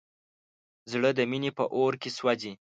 زړه د مینې په اور کې سوځي.